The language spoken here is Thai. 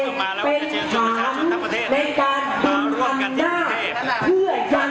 ตัวภาษาหน้าต้องการวางฝากโครงสร้างพื้นฐาน